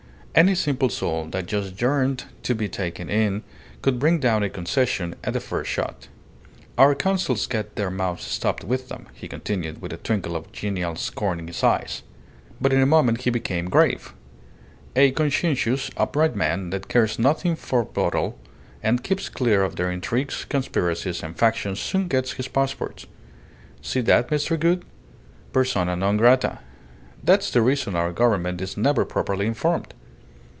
Any simple soul that just yearned to be taken in could bring down a concession at the first shot. "Our consuls get their mouths stopped with them," he continued, with a twinkle of genial scorn in his eyes. But in a moment he became grave. "A conscientious, upright man, that cares nothing for boodle, and keeps clear of their intrigues, conspiracies, and factions, soon gets his passports. See that, Mr. Gould? Persona non grata. That's the reason our Government is never properly informed.